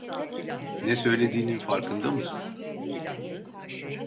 Ne söylediğinin farkında mısın?